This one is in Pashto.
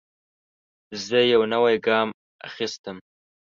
زه یو نوی ګام اخیستم.